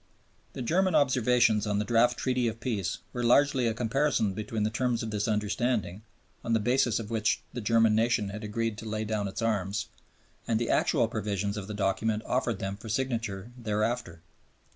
The German observations on the draft Treaty of Peace were largely a comparison between the terms of this understanding, on the basis of which the German nation had agreed to lay down its arms, and the actual provisions of the document offered them for signature thereafter.